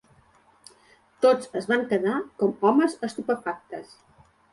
Tots es van quedar com homes estupefactes.